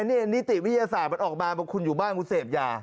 อันนี้ติพยาส่านมันออกมาว่าคุณอยู่บ้านเหมือนจะเศพยา